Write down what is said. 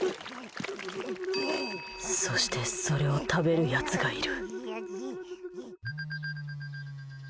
そしてそれを食べるやつがいる。